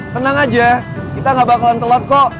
tenang aja kita gak bakalan telat kok